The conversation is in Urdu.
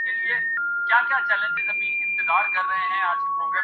تجربہ یہ ہے کہ دھرنے صرف حادثات کو جنم دیتے ہیں۔